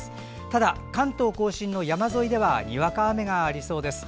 ただ、関東・甲信の山沿いではにわか雨がありそうです。